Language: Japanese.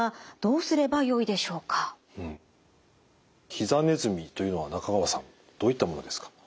ひざネズミというのは中川さんどういったものですか？